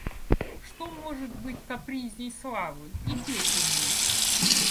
Что может быть капризней славы и пепельней?